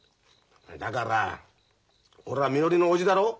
だから俺はみのりの叔父だろ？